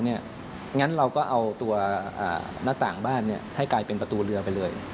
งั้นเราก็เอาตัวหน้าต่างบ้านให้กลายเป็นประตูเรือไปเลย